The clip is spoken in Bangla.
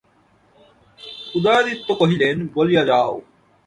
উদয়াদিত্য কহিলেন, বলিয়া যাও।